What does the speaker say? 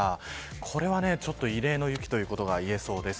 これは、異例の雪ということがいえそうです。